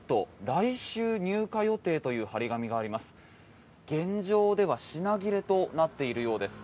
来週入荷予定という貼り紙があります。